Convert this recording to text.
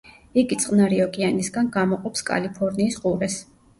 იგი წყნარი ოკეანისგან გამოყოფს კალიფორნიის ყურეს.